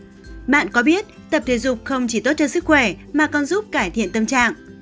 bạn có biết tập thể dục không chỉ tốt cho sức khỏe mà còn giúp cải thiện tâm trạng